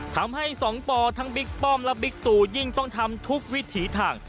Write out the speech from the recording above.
ทำให้สองปอทั้งบิ๊กป้อมและบิ๊กตูยิ่งต้องทำทุกวิถีทาง